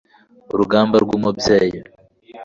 urugamba rw'umubyeyi